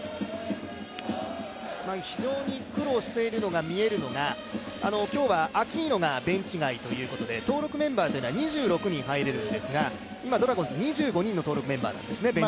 非常に苦労しているのが見えるのが今日はアキーノがベンチ外ということで、登録メンバーは２６人入れるんですが、今ドラゴンズ２５人の登録メンバーなんですよね。